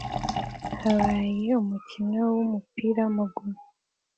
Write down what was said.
Habaye umukino wumupira wamaguru